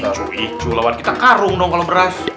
icu icu lawan kita karung dong kalau beras